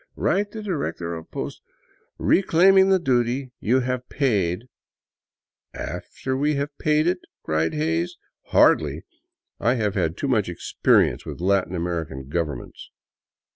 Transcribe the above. Write the Director of Posts reclaiming the duty you have paid —"" After we have paid it ?" cried Hays. " Hardly ! I have had too much experience with Latin American governments."